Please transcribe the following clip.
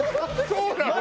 そうなのよ